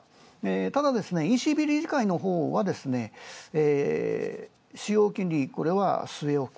ただＥＣＢ理事会のほうは、これは、据え置き。